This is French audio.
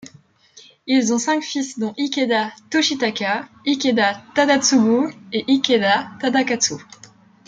Ils ont cinq fils, dont Ikeda Toshitaka, Ikeda Tadatsugu et Ikeda Tadakatsu.